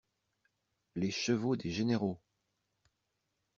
Les chevaux des généraux!